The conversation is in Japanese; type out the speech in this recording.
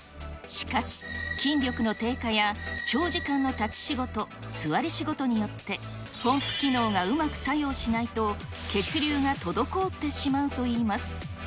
しかし、筋力の低下や長時間の立ち仕事、座り仕事によって、ポンプ機能がうまく作用しないと、血流が滞ってしまうといいます。